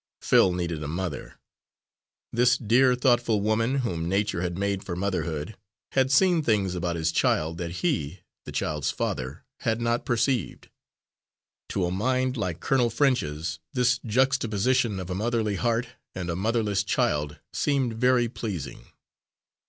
Phil needed a mother. This dear, thoughtful woman, whom nature had made for motherhood, had seen things about his child, that he, the child's father, had not perceived. To a mind like Colonel French's, this juxtaposition of a motherly heart and a motherless child seemed very pleasing.